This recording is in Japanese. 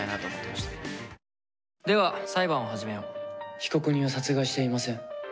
被告人は殺害していません。